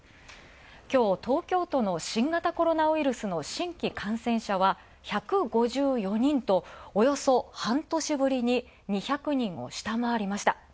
きょう、東京都の新型コロナの新規感染者は１５４人とおよそ半年ぶりに２００人を下回りました。